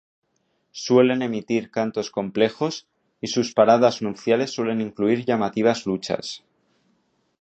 Suelen emitir cantos complejos, y sus paradas nupciales suelen incluir llamativas luchas.